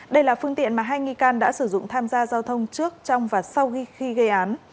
đây là phương tiện mà hai nghi can đã sử dụng tham gia giao thông trước trong và sau khi gây án